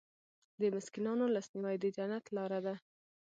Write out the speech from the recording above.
د مسکینانو لاسنیوی د جنت لاره ده.